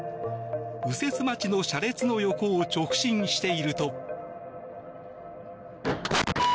右折待ちの車列の横を直進していると。